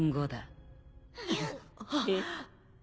えっ。